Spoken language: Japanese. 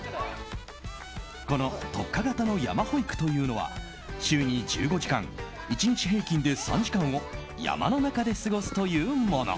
この特化型のやまほいくというのは週に１５時間１日平均で３時間を山の中で過ごすというもの。